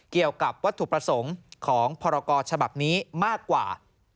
เกี่ยวกับวัตถุประสงค์ของพรกรฉบับนี้มากกว่า